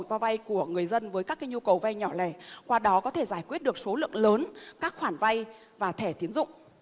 vay của người dân với các nhu cầu vay nhỏ lẻ qua đó có thể giải quyết được số lượng lớn các khoản vay và thẻ tiến dụng